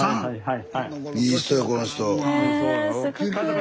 はい。